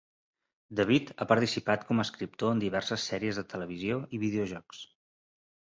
David ha participat com a escriptor en diverses sèries de televisió i videojocs.